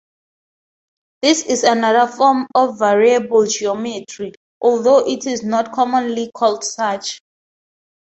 This is another form of "variable geometry", although it is not commonly called such.